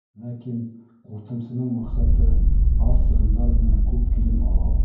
Ләкин ҡуртымсының маҡсаты — аҙ сығымдар менән күп килем алыу.